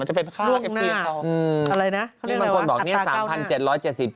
มันจะเป็นข้าวเอฟซีของเขาอะไรนะเขาเรียกอะไรวะอัตราเก้าหน้า